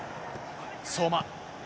相馬。